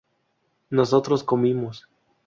nosotros comimos